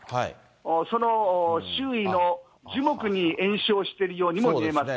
その周囲の樹木に延焼しているようにも見えますね。